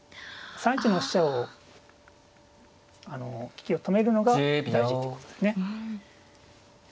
３一の飛車をあの利きを止めるのが大事ってことでね。